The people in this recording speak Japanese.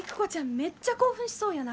めっちゃ興奮しそうやな。